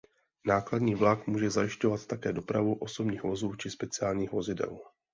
Nákladní vlak může zajišťovat také dopravu osobních vozů či speciálních vozidel.